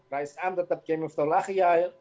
rais am tetap cemil fethullahiyah